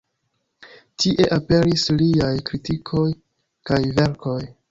Tie aperis liaj kritikoj kaj verkoj.